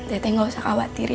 teh teh gak usah khawatir ya